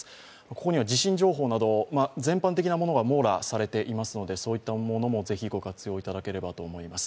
ここには地震情報など全般的なものが網羅されていますのでそういったものも是非ご活用いただければと思います。